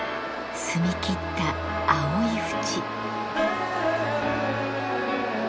透み切った青い淵。